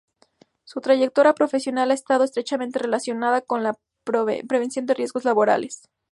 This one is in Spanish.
Su trayectoria profesional ha estado estrechamente relacionada con la prevención de riesgos laborales.